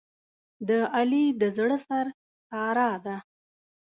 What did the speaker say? د علي د زړه سر ساره ده.